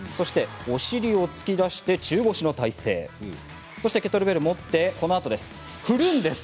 お尻を突き出して中腰の体勢そしてケトルベルを持って振るんです。